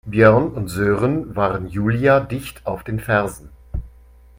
Björn und Sören waren Julia dicht auf den Fersen.